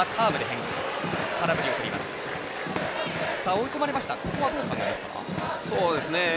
追い込まれましたどう考えますか？